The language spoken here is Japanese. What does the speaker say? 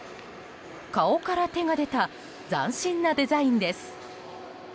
顔から手が出た斬新なデザインです。